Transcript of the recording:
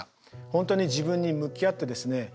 本当に自分に向き合ってですね